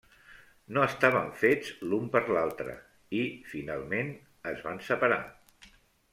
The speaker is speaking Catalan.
No estaven fets l'un per l'altre i, finalment, es van separar.